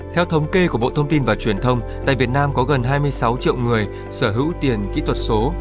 theo thống kê của bộ thông tin và truyền thông tại việt nam có gần hai mươi sáu triệu người sở hữu tiền kỹ thuật số